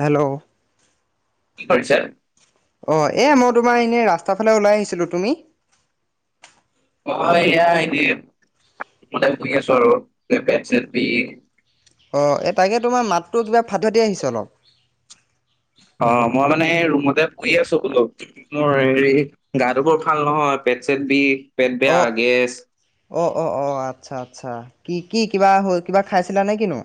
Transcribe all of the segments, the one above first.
Hello. কি কৰিছা? অ', এয়া মই তোমাৰ এনেই ৰাস্তাৰ ফালে ওলাই আহিছিলো, তুমি? মই এয়া হেৰি [unintelligible] শুই আছো আৰু গোটেই পেট চেট বিষ। অ', এই তাকে তোমাৰ মাতটো কিবা ফাতি ফাতি আহিছে অলপ। অ', মই মানে ৰুমতে শুই আছো বোলো। মোৰ হেৰি গাটো বৰ ভাল নহয় পেট চেট বিষ পেট বেয়া গেছ। অ', অ', অ', আচ্ছা আচ্ছা কি কি কিবা হ'ল কিবা খাইছিলা নে কিনো?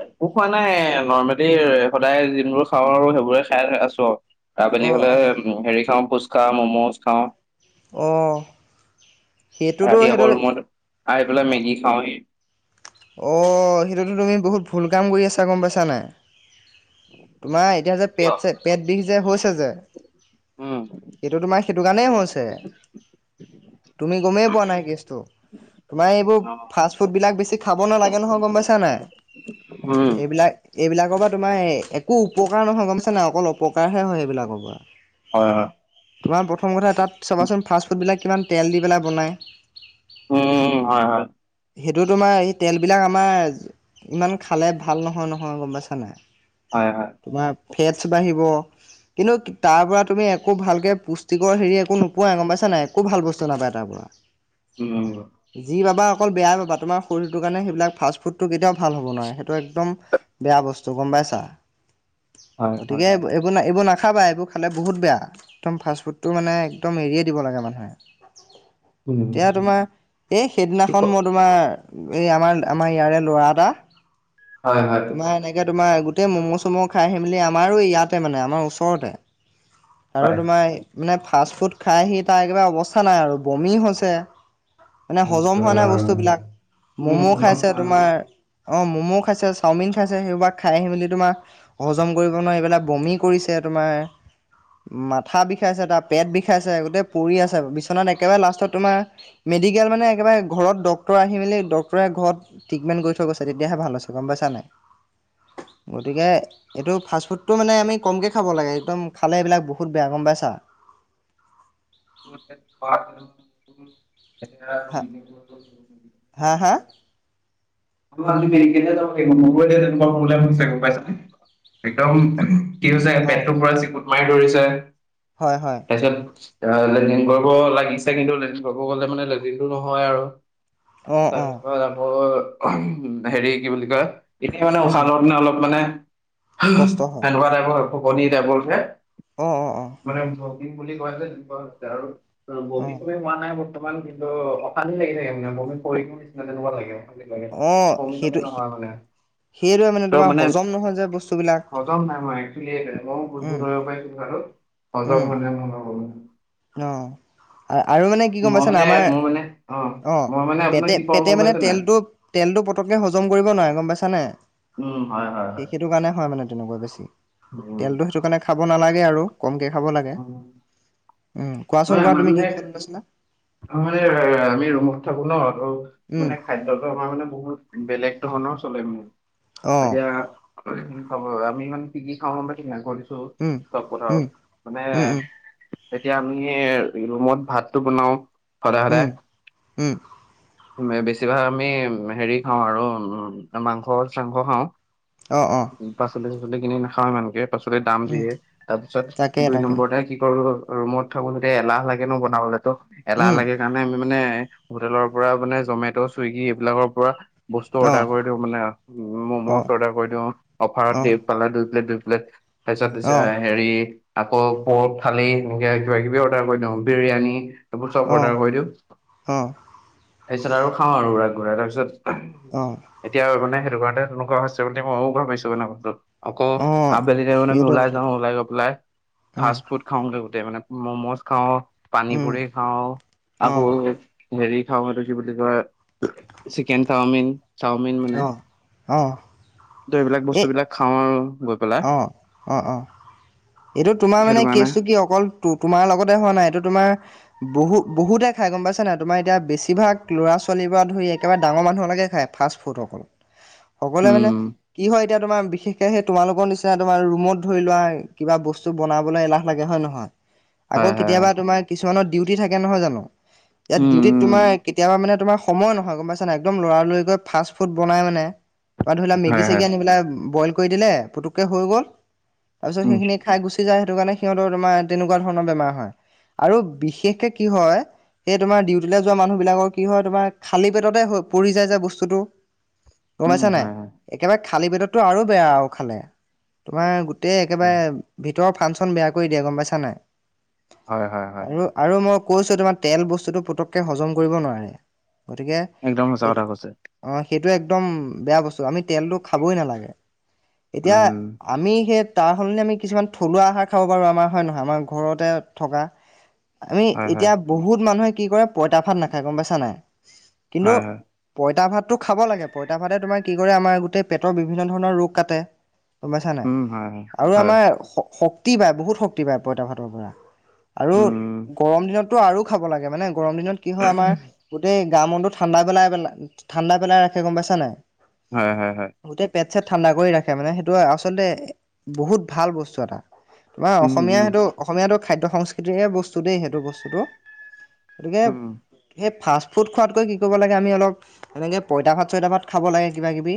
একো খোৱা নাই এ নৰ্মেলি সদায় যোনবোৰ খাওঁ আৰু সেইবোৰে খাই আছো আৰু। আবেলি অঁ হ'লে অঁ হেৰি খাওঁ ফুচকা মম'জ খাওঁ। অ', সেইটোতো ৰাতি সেইটো আকৌ ৰুমত আহি পেলাই মেগি খাওঁহি। অ', সেইটোতো তুমি বহুত ভুল কাম কৰি আছা গম পাইছা নাই? তোমাৰ এতিয়া যে কিয়? পেট চেট বিষ যে হৈছে যে। উম। এইটো তোমাৰ সেইটো কাৰণেই হৈছে। তুমি গমেই পোৱা নাই কেছটো। তোমাৰ এইবোৰ অ, ফাষ্ট ফুডবিলাক বেছি খাব নালাগে নহয় গম পাইছা নাই? উম, এইবিলাক এইবিলাকৰ পৰা তোমাৰ একো উপকাৰ নহয় গম পাইছা নে অকল অপকাৰহে হয় সেইবিলাকৰ পৰা। হয়, হয়। তোমাৰ প্ৰথম কথা তাত চাবাচোন ফাষ্ট ফুডবিলাক কিমান তেল দি পেলাই বনায়। উম হয় হয়। সেইটো তোমাৰ এই, তেলবিলাক আমাৰ ইমান খালে ভাল নহয়, নহয় গম পাইছা নাই। হয় হয়। তোমাৰ ফেটছ বাঢ়িব। কিন্তু তাৰ পৰা তুমি একো ভালকৈ পুষ্টিকৰ হেৰি একো নোপোৱোই, গম পাইছা নাই একো ভাল বস্তু নাপায় তাৰ পৰা। অঁ। উম। যি পাবা অকল বেয়াই পাবা তোমাৰ শৰীৰ, টো কাৰণে, সেইবিলাক ফাষ্ট ফুডটো কেতিয়াও ভাল হ'ব নোৱাৰে, সেইটো একদম বেয়া বস্তু গম পাইছা। হয়, হয়, গতিকে, এইবোৰ ন এইবোৰ নাখাবা, এইবোৰ খালে বহুত বেয়া, একদম ফাষ্টফুডটো মানে একদম এৰিয়ে দিব লাগে মানুহে। উম, এতিয়া তোমাৰ এই কি সেইদিনাখন ক মই তোমাৰ, এই আমাৰ, আমাৰ ইয়াৰে ল'ৰা এটা, হয়, হয়। তোমাৰ এনেকে তোমাৰ গোটেই মম' চম' খাই আহি মেলি আমাৰো ইয়াতে মানে আমাৰ ওচৰতে, আৰু হয়। তোমাৰ মানে ফাষ্ট ফুড খাই হি তাৰ একেবাৰে অৱস্থা নাই আৰু বমি হৈছে। মানে আচ্ছা। হজম হোৱা নাই বস্তুবিলাক। কোনো ম'ম' হলত খাইছে মানুহ তোমাৰ অ ম'ম' খাইছে চাওমিন খাইছে, সেইবিলাক খাই আহি মেলি তোমাৰ, হজম কৰিব নোৱাৰি এইবিলাক বমি কৰিছে তোমাৰ। মাথা বিষাইছে তাৰ পেট বিষাইছে, গোটেই পৰি আছে বিচনাত একেবাৰে লাষ্টত তোমাৰ, মেডিকেল মানে একেবাৰে ঘৰত ডক্তৰ আহি মেলি, ডক্তৰে ঘৰত ট্ৰিটমেণ্ট কৰি থৈ গৈছে তেতিয়াহে ভাল হৈছে গম পাইছা নাই। গতিকে এইটো ফাষ্টফুডটো মানে আমি কমকে খাব লাগে একদম খালে এইবিলাক বহুত বেয়া গম পাইছা? [unintelligible] এতিয়া হা, হা হা? হ'লেও আমি দেৰিকে এতিয়া যাব লাগিব, মোৰো এতিয়া তেনেকুৱা প্ৰব্লেম গৈছেহে গম পাইছা নে, একদম। কি হৈ যায়, অ পেটটোৰ পুৰা চিকুত মাৰি ধৰিছে। হয় হয়। তাৰপিছত লেতিন কৰিব লাগিছে, কিন্তু লেদিন কৰিব গলে মানে লেদিনটো নহয় আৰু অ অ তাৰপিছত আকৌ, উ হেৰি কি বুলি কয়? এনেই মানে উম উশাহ লওঁতে অলপ মানে, কষ্ট হয় সেনেকুৱা টাইপৰ ফেফনি টাইপৰ যে, অ অ অ মানে জগিং বুলি কয় যে, সেনেকুৱা হৈছে আৰু অ বমী চমী হোৱা নাই। কিছুমান কিন্তু অশান্তি লাগি থাকে মানে মইতো নিচিনা তেনেকুৱা লাগে অ। [unintelligible] সেইটোৱে ত তোমাৰ মানে হজম নহয় যে বস্তুবিলাক হজম নাই হোৱা, মইও কৰিব উম [unintelligible] হজম হয় নে নহয়। অঁ আৰু মানে কি গম পাইছ নে মানে আমাৰ, মোৰ মানে অ মই মানে আপোনাৰ পেট কি কৰো গম পেটে মানে পাইছে নাই? তেলটো তেলটো পতককে হজম কৰিব নোৱাৰে। গম পাইছা নে নাই? উম হয় হয় সেই হয়। সেইটো কাৰণে হয় মানে, তেনেকুৱা বেছি, উম তেলটো সেইটো কাৰণে খাব নালাগে আৰু কমকৈ খাব লাগে। উ, উম কোৱাচোন কোৱা তুমি কি কম কৈছিলা? ত মানে, অঁ আমি ৰুমত থাকো ন আৰু উম মানে খাদ্যতো আমাৰ মানে বহুত, বেলেগ ধৰণৰ চলে মোৰ। অঁ এতিয়া [unintelligible] আমি মানে পিগি খাওঁ [unintelligible] ত' উম চব কথাও উম মানে উম তেতিয়া আমি ৰুমত ভাতটো বনাও সদায় উম সদায়। উম উম বেছিভাগ আমি হেৰি খাওঁ আৰু মাংস চাংস খাওঁ। অ', অ'। পাচলি চাচলি কিনি নাখাওঁ ইমানকে, পাচলিৰ দাম উম যিয়ে তাৰপিছত তাকে দুই তাকে নম্বৰতে কি কৰোঁ ৰুমত থাকোঁ যেতিয়া এলাহ লাগে ন' বনাবলে ত' এলাহ উম লাগে সেইকাৰণে আমি মানে হোটেলৰ পৰা মানে জমেট' চুইগি এইবিলাকৰ পৰা বস্তু অঁ অৰ্ডাৰ কৰি দিওঁ মানে মম'জ অঁ অৰ্ডাৰ কৰি দিওঁ অফাৰত অঁ দি। পালে দুই প্লেট দুই প্লেট তাৰপিছত দিছে অঁ [unintelligible] হেৰি আকৌ পৰ্ক খালে এনেকে কিবা কিবি অৰ্ডাৰ কৰি দিওঁ বিৰিয়ানী। এইবোৰ চব অঁ অৰ্ডাৰ কৰি দিওঁ, অঁ তাৰপিছত আৰু খাওঁ আৰু উৰাই ঘুৰাই তাৰপিছত অ'। এতিয়া আৰু মানে সেইটো কাৰণে তেনেকুৱা হৈছে বুলি ময়ো ভাবিছোঁ [unintelligible] আকৌ অঁ আবেলি টাইমত আমি সেইটোৱে ওলাই যাওঁ, কথাটো ওলাই গৈ পেলাই উম ফাষ্ট ফুড খাওঁগে গোটেই মানে, মম'জ খাওঁ, পানী উম পুৰি খাওঁ আকৌ অঁ হেৰি খাওঁ এইটো কি বুলি কয় চিকেন চাওমিন। চাওমিন মানে। অঁ অঁ এইবিলাক বস্তুবিলাক খাও আৰু গৈ। পেলাই অ', অ', অ'। এইটো তোমাৰ সেইটো মানে কাৰণে কেইচটো কি অকল টো তোমাৰ লগতে হোৱা নাই, এইটো তোমাৰ বহু বহুতে খাই গম পাইচা নাই, তোমাৰ এতিয়া বেছিভাগ ল'ৰা ছোৱালী পৰা ধৰি একেবাৰে ডাঙৰ মানুহলৈকে খায়। ফাষ্ট ফুড অকল। [inaudible] সকলোৱে মানে কি হয় এতিয়া তোমাৰ বিশেষকে সেই তোমালোক [unintelligible] নিচিনা তোমাৰ ৰুমত ধৰি লোৱা কিবা বস্তু বনাবলৈ এলাহ লাগে হয় নহয়? আকৌ হয় হয় কেতিয়াবা হয় তোমাৰ কিছুমানৰ ডিউটি থাকে নহয় জানো, ইয়াত ডিউটিত উম তোমাৰ কেতিয়াবা মানে তোমাৰ সময় নহয় গম পাইছা নাই, একদম লৰালৰিকৈ ফাষ্ট ফুড বনাই মানে। বা ধৰি লোৱা উম মেগি হয় চেগি হয় আনি পেলাই বইল কৰি দিলে, পুটুককে হৈ গ'ল তাৰপিছত উম সেইখিনি খাই গু যায় সেইটো কাৰণে সিহঁতৰ তোমাৰ তেনেকুৱা ধৰণৰ বেমাৰ হয়। আৰু বিশেষকে কি হয় সেই তোমাৰ ডিউটিলৈ যোৱা মানুহবিলাকৰ কি হয় তোমাৰ খালী পেটতে হৈ পৰি যায় যে বস্তুটো। উম গমাইছা নাই? হয় হয় একেবাৰে খালী পেটততো আৰু বেয়া আৰু খালে। তোমাৰ গোটেই হয় একেবাৰে ভিতৰৰ ফাংচন বেয়া কৰি দিয়ে গম পাইছা নাই? হয় হয় হয়। আৰু আৰু মই কৈছোঁ তোমাৰ তেল বস্তুটো পুটককে হজম কৰিব নোৱাৰে গতিকে একদম সঁচা সেই কথা কৈছে। অ' সেইটো একদম বেয়া বস্তু, আমি তেলটো খাবই নালাগে। এতিয়া উম আমি সেই তাৰ সলনি আমি কিছুমান থলুৱা আহাৰ খাব পাৰোঁ আমাৰ, হয় নহয় আমাৰ ঘৰতে থকা? আমি হয় হয় এতিয়া বহুত মানুহে কি কৰে, পঁইতা ভাত নাখায় গম পাইছা নাই কিন্তু হয় হয় পইতা ভাতটো খাব লাগে। পইতা ভাতে তোমাৰ কি কৰে আমাৰ গোটেই পেটৰ বিভিন্ন ধৰণৰ ৰোগ কাটে। গম পাইছা নাই উম, হয়, আৰু হয়, হয়, আমাৰ শ-শক্তি পায়, বহুত শক্তি পায় পইতা ভাতৰ পৰা। আৰু উম, গৰম দিনততো আৰু খাব লাগে মানে গৰম দিনত কি হয় আমাৰ গোটেই গা মনটো ঠাণ্ডা পেলাই পেলাই, ঠাণ্ডা পেলাই ৰাখে গম পাইছা নাই? হয় হয় হয়। গোটেই পেট - চেট ঠাণ্ডা কৰি ৰাখে মানে সেইটো আচলতে বহুত ভাল বস্তু এটা। তোমাৰ উম, অসমীয়া উম, সেইটো অসমীয়াটো খাদ্য সংস্কৃতিৰে বস্তু দেই সেইটো বস্তুটো। গতিকে উম, সেই ফাষ্টফুড খোৱাতকৈ কি কৰিব' লাগে আমি অলপ এনেকে পইতা ভাত - চইতা ভাত খাব লাগে কিবা - কিবি।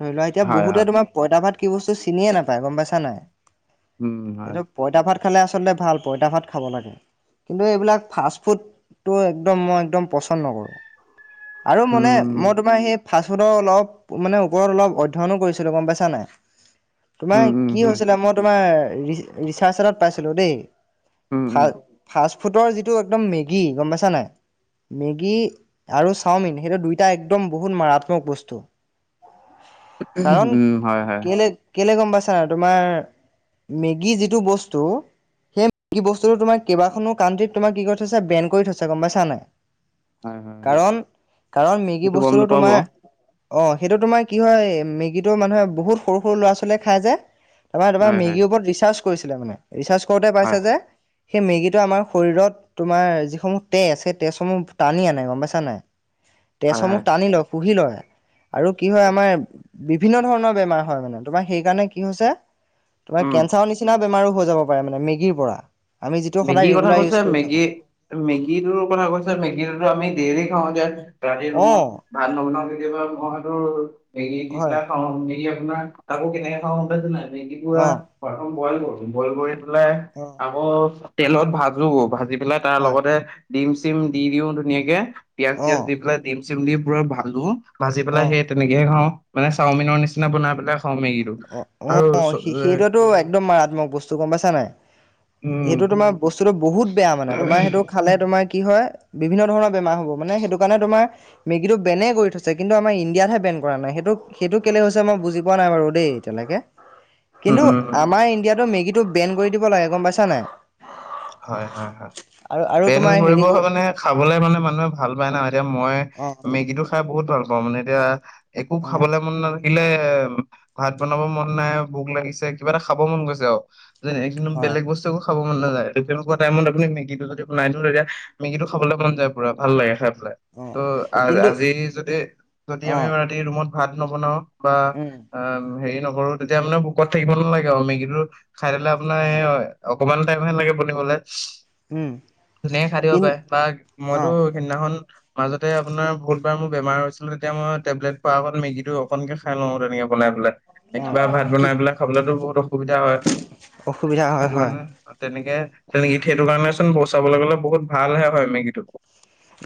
ধৰি লোৱা এতিয়া হয়, বহুতে হয়, তোমাৰ পইতা ভাত কি বস্তু চিনিয়ে নাপায় গম পাইছা নাই? উম হয়। পইতা ভাত খালে আচলতে ভাল, পইতা ভাত খাব লাগে। কিন্তু এইবিলাক ফাষ্টফুডটো একদম মই একদম পচন্দ নকৰোঁ আৰু মানে উম, মই তোমাৰ সেই ফাষ্ট ফুডৰ অলপ মানে ওপৰত অলপ অধ্যয়নো কৰিছিলো গম পাইছা নাই? তোমাৰ উম, উম, কি হয়, হৈছিলে মই তোমাৰ ৰি ৰিচাৰ্চত পাইছিলো দেই, উম, উম, ভাল ফাষ্ট ফুডৰ যিটো একদম মেগী গম পাইছা নাই? মেগী আৰু চাওমিন সেইটো দুইটা একদম বহুত মাৰাত্মক বস্তু। উ উহ উম হয় হয়। কে কেলে গম পাইছা তোমাৰ মেগী যিটো বস্তু সেই‌ কি বস্তুটো তোমাৰ কেইবাখনো কাণ্ট্ৰিত তোমাৰ কি কৰি থৈছে, বেন কৰি থৈছে, গম পাইচা নাই? হয়, হয়, হয়, কাৰণ, কাৰণ মেগী সেইটো গম বস্তুটো নাপাওঁ তোমাৰ বাৰু, অ', সেইটো তোমাৰ কি হয় মেগীটো মানুহে বহুত সৰু - সৰু ল'ৰা - ছোৱালীয়ে খাই যে তাৰপৰা তোমাৰ হয়, হয়, মেগিৰ ওপৰত ৰিচাৰ্চ কৰিছিলে মানে ৰিচাৰ্চ কৰোতে হয়, পাইছে যে সেই মেগীটো আমাৰ শৰীৰত তোমাৰ যিসমূহ তেজ সেই তেজসমূহ টানি আনে গম পাইছা নাই? [inaudible] তেজসমূহ টানি লয়, শুহি লয় আৰু কি হয় আমাৰ বিভিন্ন ধৰণৰ বেমাৰ হয় মানে তোমাৰ সেইকাৰণে কি হৈছে, তোমাৰ উম। কেঞ্চাৰৰ নিচিনা বেমাৰো হৈ যাব পাৰে মানে মেগীৰ পৰা। আমি যিটো সদায় মেগীৰ কথা ৰেগুলাৰ ইউজ কৈছে কৰি থাকো মেগী টো মেগীটোৰ কথা কৈছা, মেগীটো আমি দেইলি খাওঁ এইগিতা ৰাতি অ ৰুমত ভাত নবনাও কেতিয়াবা মইতো মেগি দি হয় পেলাই খাও, মেগি আপোনাৰ তাকো কেনেকে খাওঁ গম পাইছে নাই? মেগী পুৰা অ [unintelligible] বইল কৰো, বইল কৰি পেলাই অ আকৌ তেলত ভাজো, ভাজি পেলাই তাৰ হয় লগতে ডিম - চিম দি দিও ধুনীয়াকে, পিয়াজ - চিয়াজ অ', দি পেলাই ডিম - চিম দি পুৰা ভাজো, ভাজি পেলাই অ', সেই তেনেকেহে খাওঁ মানে চাওমিনৰ নিচিনা বনাই পেলাই খাওঁ মেগীটো। অ অ আৰু চ- সে এ সেইটোতো একদম মাৰাত্মক বস্তু গম পাইছা নাই? উম সেইটো তোমাৰ বস্তুটো বহুত বেয়া মানে তোমাৰ সেইটো খালে তোমাৰ কি হয়? বিভিন্ন ধৰণৰ বেমাৰ হ'ব মানে সেইটো কাৰণে তোমাৰ মেগীটো বেনে কৰি থৈছে কিন্তু আমাৰ ইণ্ডিয়াতহে বেন কৰা নাই সেইটো সেইটো কেলে হৈছে মই বুজি পোৱা নাই বাৰু দেই। এতিয়ালৈকে উম কিন্তু উম আমাৰ ইণ্ডিয়াতো মেগীটো বেন কৰি দিব লাগে গম পাইছা নাই? হয় হয় হয়, আৰু আৰু বেন তোমাৰ কৰিব হেৰি মানে খাবলে মানে মানুহে ভাল পায় ন এতিয়া মই অ', মেগীটো খাই বহুত ভাল পাওঁ মানে এতিয়া একো অ', খাবলে মন নালা গিলে ভাত বনাব মন নাই, ভোক লাগিছে কিবা এটা খাব মন গৈছে আৰু যেনে এক যোনটো হয় বেলেগ বস্তু একো খাব মন নাযায়। তে তেনেকুৱা টাইমত আপুনি মেগীটো যদি বনাই লৈ যায়, মেগীটো খাবলৈ মন যায় পুৰা ভাল লাগে খাই পেলাই। অ', ত' আ কিন্তু আজি যদি যদি আমি অ', ৰাতি ৰুমত ভাত নবনাও বা উম, অ হেৰি নকৰো তেতিয়া মানে ভুকত থাকিব নালাগে আৰু মেগীটো খাই ললে আপোনাৰ এ হয় অ অকমান টাইমহে লাগে বনিবলে, উম, ধুনীয়াকে খাই দিব কিন পাৰে বা মইতো অ', সিদিনাখন মাজতে আপোনাৰ বহুতবাৰ মোৰ বেমাৰ হৈছিলে তেতিয়া মই টেবলেট খোৱা আগত মেগীটো অকনকে খাই লওঁ তেনেকে বনাই পেলাই। একবাৰ অ', ভাত কি বনাই পেলাই খাবলেতো বহুত অসুবিধা হয়। অসুবিধা হয় সেইটো‌ হয়। কাৰনে ত তেনেকে তেনেকে সেইটো কাৰণে চোন গলে বহুত ভালহে হয় মেগিটো।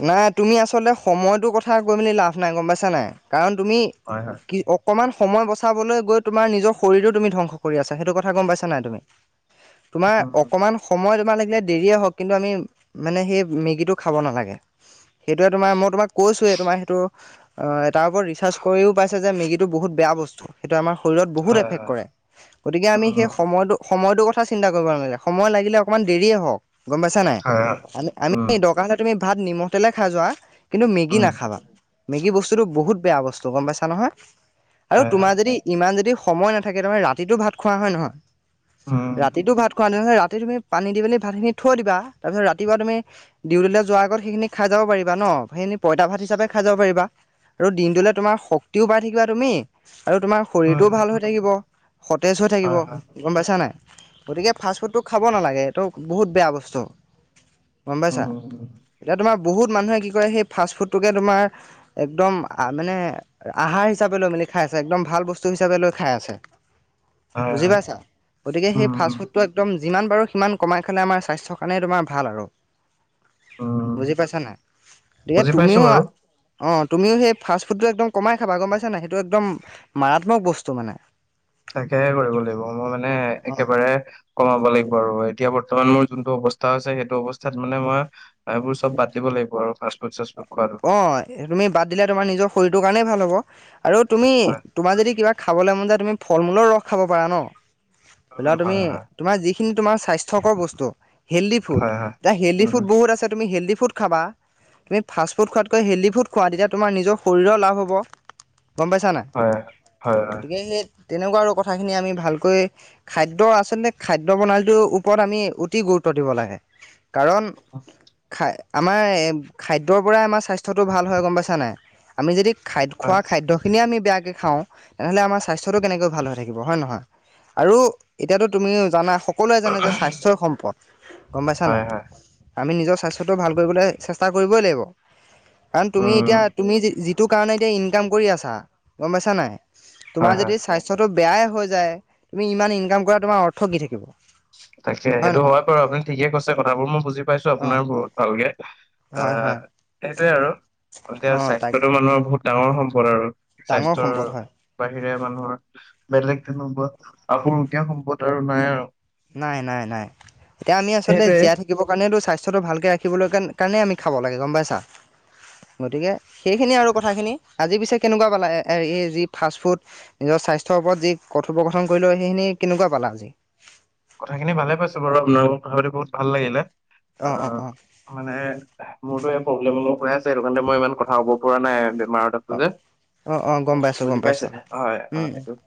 নাই তুমি আচলতে সময়টোৰ কথা কৈ মেলি লাভ নাই গম পাইছা নাই কাৰণ তুমি- হয় হয়। কি অকমান সময় বচাবলৈ গৈ তোমাৰ নিজৰ শৰীৰো তুমি ধ্বংস কৰি আছা, সেইটো কথা গম পাইছা নাই তুমি? [inaudible] তোমাৰ অকমান সময় তোমাৰ লাগিলে দেৰিয়ে হওক, কিন্তু আমি মানে সেই মেগীটো খাব নালাগে। সেইটোৱে তোমাৰ মই তোমাক কৈছোৱে তোমাৰ সেইটো- অঁ' তাৰ ওপৰত ৰিচাৰচ কৰিও পাইছে যে মেগীটো বহুত বেয়া বস্তু। সেইটোৱে আমাৰ শৰীৰত বহুত হয় এফেক্ট হয় কৰে। গতিকে, আমি সেই উম সময়টো- সময়টোৰ কথা চিন্তা কৰিব নালাগে। সময় লাগিলে অকমান দেৰিয়ে হওক। গম পাইছা নাই? হয় হয় আমি আমি উম দৰকাৰ হলে তুমি ভাত নিমখ তেলে খাই যোৱা- কিন্তু মেগী উম নাখাবা। মেগী বস্তুটো বহুত বেয়া বস্তু গম পাইছা নহয় আৰু হয় তোমাৰ হয় যদি- ইমান যদি সময় নাথাকে তাৰমানে ৰাতিটো ভাত খোৱা হয় নহয়। উম ৰাতিটো ভাত খোৱা নহয় ৰাতি তুমি- পানী দি মেলি ভাতখিনি থৈ দিবা তাৰপিছত ৰাতিপুৱা তুমি ডিউটিলে যোৱা আগ- গত সেইখিনি খাই যাব পাৰিবা ন' সেইখিনি পইতা ভাত হিচাপে খাই যাব পাৰিবা। আৰু দিনটোলে তোমাৰ শক্তিও পাই থাকিবা তুমি- আৰু তোমাৰ উম শৰীৰটোও ভাল হৈ থাকিব সতেজ হৈ থাকিব। হয় হয় গম পাইছা নাই? গতিকে, ফাষ্টফুডটো খাব নালাগে এইটো বহুত বেয়া বস্তু। গম পাইছা? উম এতিয়া তোমাৰ বহুত মানুহে কি কৰে সেই ফাষ্টফুডটোকে তোমাৰ একদম মানে- আহাৰ হিচাপে লৈ মেলি খাই আছে। একদম ভাল বস্তু হিচাপে লৈ খাই আছে। হয় বুজি হয় পাইছা, গতিকে সেই ফাচ উম ফুডটো একদম- যিমান পাৰো সিমান কমাই খালে আমাৰ স্বাস্থ্যৰ কাৰণে তোমাৰ ভাল আৰু। উম বুজি পাইছা নাই? গতিকে বুজি পাইছো বাৰু তুমিও- অঁ, তুমিও সেই ফাষ্ট ফুডটো একদম কমাই খাবা গম পাইছা নাই সেইটো একদম মাৰাত্মক বস্তু মানে। তাকেহে কৰিব লাগিব, মই মানে একেবাৰে কমাব লাগিব আৰু এইট। এতিয়া বৰ্তমান মোৰ যোনটো অৱস্থা আছে সেইটো অৱস্থাত মানে মই- সেইবোৰ চব বাদদিব লাগিব আৰু ফাষ্টফুড চাচফুড খোৱাটো। অঁ তুমি বাদ দিলে তোমাৰ নিজৰ শৰীৰটোৰ কাৰণেই ভাল হ'ব আৰু তুমি হয় তোমাৰ যদি কিবা- খাবলে মন যায় তুমি ফল মূলৰ ৰস খাব পাৰা ন। ধৰি লোৱা উম, হয় তুমি- হয় তোমাৰ যিখিনি তোমাৰ স্বাস্থ্যকৰ বস্তু হেল্ডি ফুড, হয় হয় এতিয়া হেল্ডি উম ফুড উম, বহুত আছে তুমি হেল্ডি ফুড- খাবা তুমি ফাচ- ফুড খোৱাতকৈ হেল্ডি ফুড খোৱা তেতিয়া তোমাৰ নিজৰ শৰীৰৰ লাভ হ'ব, গম পাইছা নাই। হয় হয় হয় গতিকে, সেই তেনেকুৱা আৰু কথাখিনি আমি ভালকৈ- খাদ্য আছলতে, খাদ্য প্ৰনালীটোৰ ওপৰত আমি অতি গুৰুত্ব দিব লাগে। কাৰণ খায় আমাৰ এ খাদ্যৰ- পৰাই আমাৰ স্বাস্থ্যটো ভাল হয় গম পাইছা নাই আমি যদি খাদ্য হয় খোৱা খাদ্য- খিনিয়ে আমি বেয়াকে খাওঁ তেনেহ'লে আমাৰ স্বাস্থ্যটো কেনেকৈ ভাল হৈ থাকিব হয় নহয়। আৰু এতিয়াতো তুমিও জানা সক- সকলোৱে জানে যে স্বাস্থ্যই সম্পদ, গম পাইছা হয় নাই? হয় আমি নিজৰ স্বাস্থ্যটো ভাল কৰিবলে চেষ্টা কৰিবই লাগিব। কাৰণ তুমি উম এতিয়া তুমি যিটো কাৰণে এতিয়া ইনকাম কৰি আছা গম পাইছা নাই? হয় তোমাৰ হয় যদি স্বাস্থ্যটো বেয়াই হৈ যায়, তুমি ইমান ইনকাম কৰা তোমাৰ অৰ্থ কি থাকিব? তাকে, সেইটো হয় বাৰু আপুনি ঠিকে কৈছে কথাবোৰ, মই বুজি পাইছো অ আপোনাৰ বহুত ভালকে। হয় এহ হয় সেইটোৱে আৰু এতিয়া অ তাক স্বাস্থ্যটো মানুহৰ বহুত ডাঙৰ সম্পদ আৰু ডাঙৰ স্বাস্থ্যৰ সম্পদ হয় বাহিৰে মানুহৰ বেলেগ তেনেকুৱা আসুৰোগিয়া সম্পদ আৰু নাই আৰু। নাই নাই নাই এতিয়া আমি আচলতে সেইটোৱে জীয়াই থাকি থাকিব কাৰণে স্বাস্থ্যটো ভালকে ৰাখিবলৈ কাৰণে কাৰণে আমি খাব লাগে গম পাইছা গতিকে সেইখিনি আৰু কথাখিনি আজি পিছে কেনেকুৱা পালে এই যি ফাষ্টফুড নিজৰ স্বাস্থ্যৰ ওপৰত যি কথোপকথন কৰিলোঁ, সেইখিনি কেনেকুৱা পালা কথাখিনি ভালে পাইছো বাৰু আপোনাৰ লগত কথা পাতি বহুত ভাল লাগিলে। অ অ আহ অ মানে মোৰতো এই প্ৰব্লেম অলপ হৈ আছে সেইটো কাৰণে মই ইমান কথা ক'ব পৰা নাই বেমাৰ অ গতিকে গম অ পাইছোঁ গম বুজি পাইছোঁ পাইছে হয় উম হয়